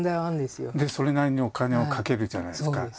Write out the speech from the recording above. でそれなりにお金をかけるじゃないですか。